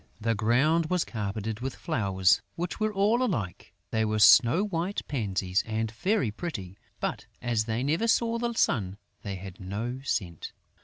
The ground was carpeted with flowers which were all alike: they were snow white pansies and very pretty; but, as they never saw the sun, they had no scent.